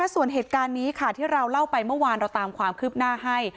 ส่วนเหตุการณ์นี้ค่ะที่เราเล่าไปเมื่อวานเราตามความคืบหน้าให้